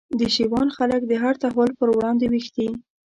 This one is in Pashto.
د شېوان خلک د هر تحول پر وړاندي ویښ دي